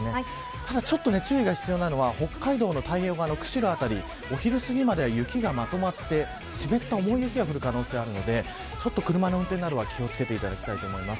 ただちょっと注意が必要なのは北海道の太平洋側の釧路辺りお昼すぎまでは雪がまとまって湿った重い雪が降る可能性があるので車の運転などは、気を付けていただきたいと思います。